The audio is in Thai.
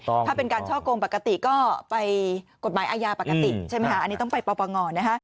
ถ้าเป็นการช่อกงปกติก็ไปกฎหมายอาญาปกติใช่ไหมคะอันนี้ต้องไปปปงนะคะ